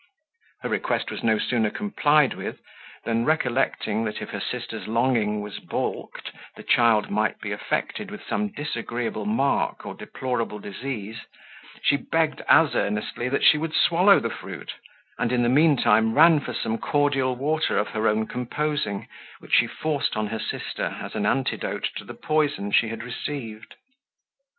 Her request was no sooner complied with, than recollecting, that if her sister's longing was balked, the child might be affected with some disagreeable mark or deplorable disease, she begged as earnestly that she would swallow the fruit, and in the mean time ran for some cordial water of her own composing, which she forced on her sister, as an antidote to the poison she had received.